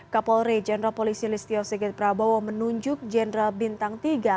kapolri jenderal polisi listio sigit prabowo menunjuk jenderal bintang tiga